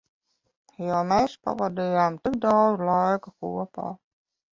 Jo mēs pavadījām tik daudz laika kopā.